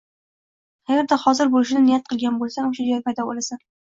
qaerda hozir bo‘lishni niyat qilgan bo‘lsang, o‘sha joyda paydo bo‘lasan.